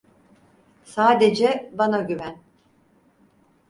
Sadece bana güven.